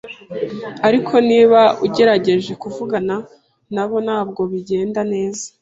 ariko niba ugerageje kuvugana nabo, ntabwo bigenda neza.